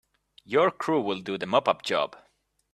Your crew will do the mop up job.